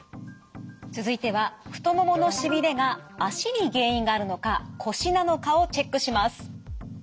続いては太もものしびれが足に原因があるのか腰なのかをチェックします。